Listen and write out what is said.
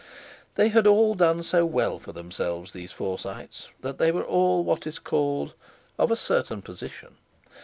They had all done so well for themselves, these Forsytes, that they were all what is called "of a certain position."